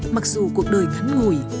mặc dù cuộc đời ngắn ngùi